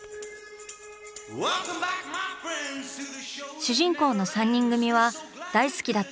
主人公の３人組は大好きだった